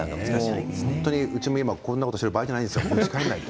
うちも今こんなことしている場合じゃないですよ。